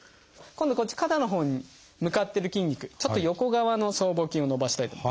今度こっち肩のほうに向かってる筋肉ちょっと横側の僧帽筋を伸ばしたいとき。